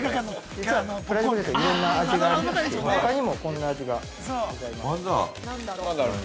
◆実はプライドポテト、いろんな味がありまして、ほかにもこんな味がございます。